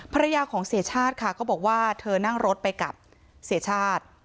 ภรรยาของเสียชาติค่ะก็บอกว่าเธอนั่งรถไปกับเสียชาติ